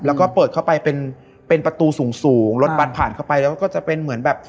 แล้วก็เปิดเข้าไปเป็นเป็นประตูสูงสูงรถบัตรผ่านเข้าไปแล้วก็จะเป็นเหมือนแบบ